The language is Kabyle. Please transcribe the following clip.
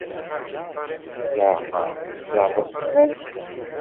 Ẓeɛma tzeɛfeḍ fell-as?